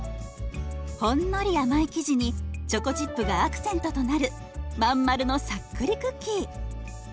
ほんのり甘い生地にチョコチップがアクセントとなる真ん丸のさっくりクッキー。